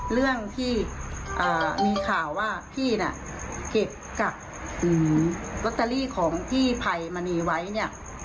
เรื่องที่มีข่าวว่าพี่น่ะเก็บกักลอตเตอรี่ของพี่ภัยมณีไว้เนี่ย